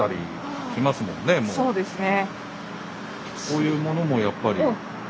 こういうものもやっぱり。